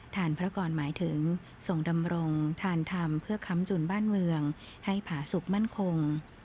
ฐานพระกรหมายถึงส่งดำรงทานธรรมเพื่อค้ำจุนบ้านเมืองให้ผาสุขมั่นคง